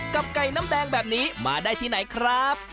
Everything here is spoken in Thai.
กับไก่น้ำแดงแบบนี้มาได้ที่ไหนครับ